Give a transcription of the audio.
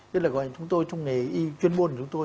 đây là gọi chúng tôi trong nghề chuyên môn của chúng tôi